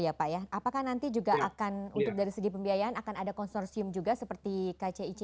ya pak ya apakah nanti juga akan untuk dari segi pembiayaan akan ada konsorsium juga seperti kcic